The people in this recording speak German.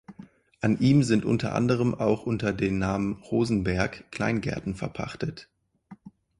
An ihm sind unter anderem auch unter den Namen "Rosenberg" Kleingärten verpachtet.